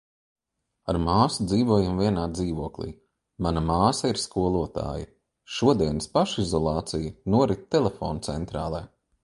Ar māsu dzīvojam vienā dzīvoklī. Mana māsa ir skolotāja. Šodienas pašizolācija norit telefoncentrālē...